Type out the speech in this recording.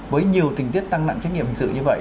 với nhiều tình tiết tăng nặng trách nhiệm hình sự như vậy